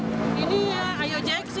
ini ya ayojek sih